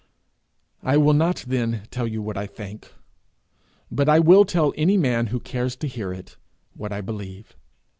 I will not then tell you what I think, but I will tell any man who cares to hear it what I believe.